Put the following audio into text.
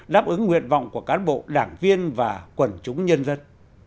đáp ứng nguyện vọng của cán bộ đảng viên và quần chúng nhân dân